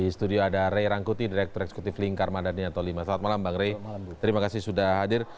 selamat malam bang rey terima kasih sudah hadir